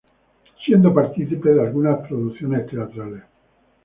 Siendo participe de algunas producciones teatrales.